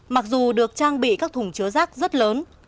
mặc dù được trang bị các thùng chứa rác rất lớn